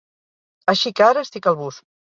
Així que ara estic al bus.